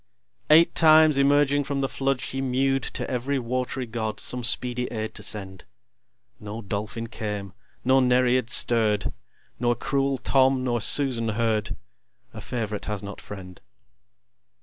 Eight times emerging from the flood She mew'd to ev'ry wat'ry god, Some speedy aid to send. No Dolphin came, no Nereid stirr'd: Nor cruel Tom, nor Susan heard. A Fav'rite has not friend!